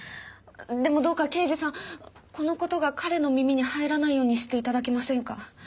でもどうか刑事さんこの事が彼の耳に入らないようにして頂けませんか？